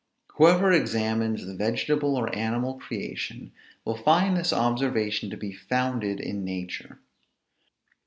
Whoever examines the vegetable or animal creation will find this observation to be founded in nature.